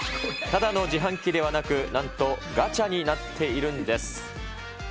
ただの自販機ではなく、なんとガチャになっているんです。